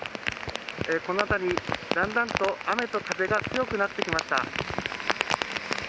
この辺り、だんだんと雨と風が強くなってきました。